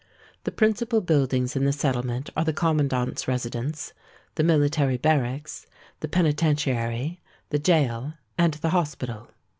The principal buildings in the settlement are the Commandant's Residence, the Military Barracks, the Penitentiary, the Gaol, and the Hospital.